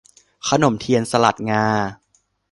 ขนมเทียนสลัดงา